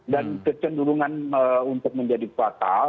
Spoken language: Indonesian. dan kecenderungan untuk menjadi fatal